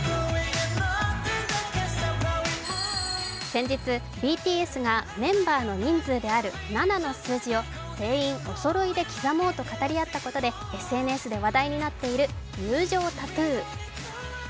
先日、ＢＴＳがメンバーの人数である７の数字を全員おろそいで刻もうと語り合ったことでＳＮＳで話題になっている友情タトゥー。